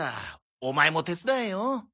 オマエも手伝えよ？